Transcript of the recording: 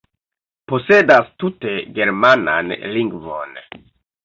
posedas tute germanan lingvon.